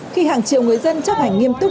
khi hàng triệu người dân chấp hành nghiêm túc